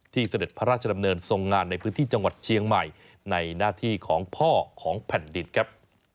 เสด็จพระราชดำเนินทรงงานในพื้นที่จังหวัดเชียงใหม่ในหน้าที่ของพ่อของแผ่นดินครับ